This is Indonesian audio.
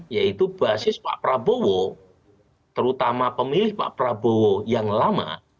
yaitu basis pak prabowo terutama pemilih pak prabowo yang lama